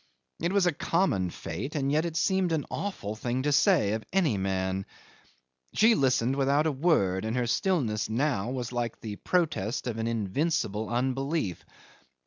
It was a common fate, and yet it seemed an awful thing to say of any man. She listened without a word, and her stillness now was like the protest of an invincible unbelief.